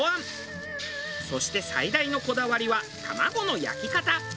そして最大のこだわりは卵の焼き方。